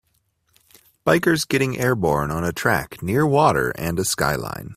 Bikers getting airborne on a track near water and a skyline